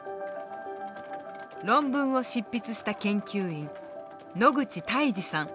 論文を執筆した研究員野口泰司さん。